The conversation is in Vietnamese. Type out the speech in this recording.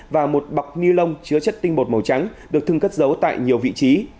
và một bọc ni lông chứa chất tinh bột màu trắng được thương cất giấu tại nhiều vị trí